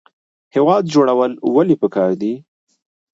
هیواد جوړول ولې پکار دي؟